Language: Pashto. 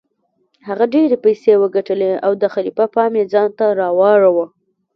هغه ډیرې پیسې وګټلې او د خلیفه پام یې ځانته راواړوه.